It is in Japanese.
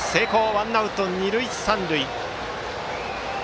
ワンアウト二塁三塁。